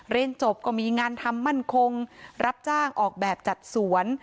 เรียนจบก็มีงานทำมั่นคงรับจ้างออกแบบจัดสวน